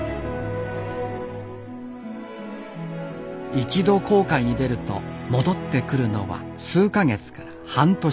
一度航海に出ると戻ってくるのは数か月から半年先。